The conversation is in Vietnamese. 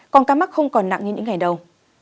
còn ca mắc không còn nặng như những ngày đầu